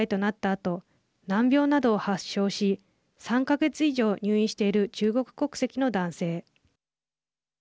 あと難病などを発症し３か月以上入院している中国国籍の男性。